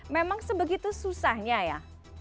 memang sebegitu susahnya ya